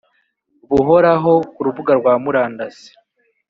buhoraho ku rubuga rwa murandasi